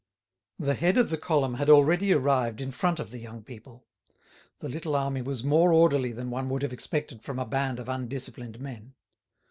The head of the column had already arrived in front of the young people. The little army was more orderly than one would have expected from a band of undisciplined men.